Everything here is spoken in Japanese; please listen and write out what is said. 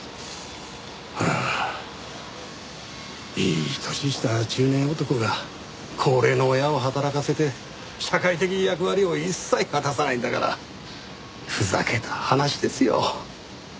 いい年した中年男が高齢の親を働かせて社会的役割を一切果たさないんだからふざけた話ですよ。